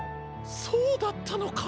そうだったのか。